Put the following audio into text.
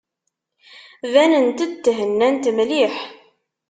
Banent-d thennant mliḥ.